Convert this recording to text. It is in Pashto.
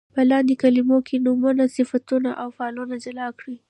په لاندې کلمو کې نومونه، صفتونه او فعلونه جلا کړئ.